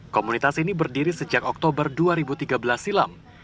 komunitas ini berdiri sejak oktober dua ribu tiga belas silam